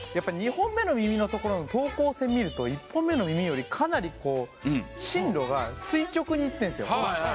２本目の耳のところの等高線見ると１本目の耳よりかなりこう進路が垂直にいってるんですよ